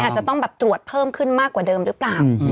อาจจะต้องแบบตรวจเพิ่มขึ้นมากกว่าเดิมหรือเปล่า